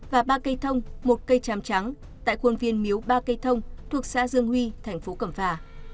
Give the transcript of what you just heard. và ba cây thông một cây tràm trắng tại khuôn viên miếu ba cây thông thuộc xã dương huy thành phố cẩm phả